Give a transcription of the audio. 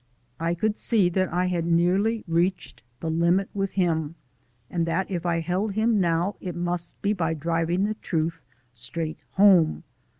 I could see that I had nearly reached the limit with him, and that if I held him now it must be by driving the truth straight home.